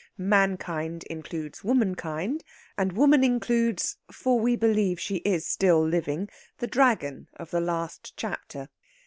Mankind includes womankind, and woman includes (for we believe she is still living) the Dragon of the last chapter.